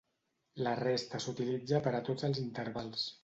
La resta s'utilitza per a tots els intervals.